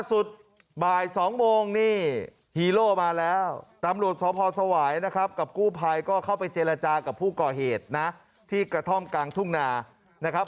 บ่าย๒โมงนี่ฮีโร่มาแล้วตำรวจสพสวายนะครับกับกู้ภัยก็เข้าไปเจรจากับผู้ก่อเหตุนะที่กระท่อมกลางทุ่งนานะครับ